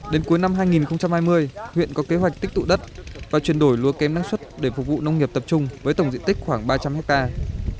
đến cuối năm hai nghìn hai mươi huyện có kế hoạch tích tụ đất và chuyển đổi lúa kém năng suất để phục vụ nông nghiệp tập trung với tổng diện tích khoảng ba trăm linh hectare